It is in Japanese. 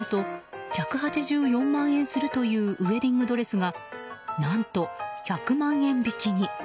商品をよく見ると１８４万円するというウェディングドレスが何と、１００万円引きに。